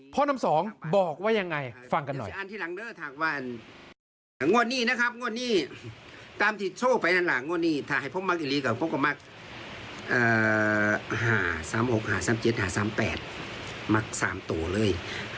น้ำสองบอกว่ายังไงฟังกันหน่อย